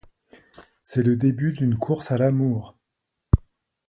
C'est le début d'une course à l'amour...